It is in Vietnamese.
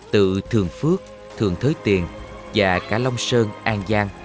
từ thường phước thường thới tiền và cả long sơn an giang